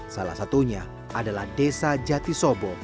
salah satunya adalah desa jatisobo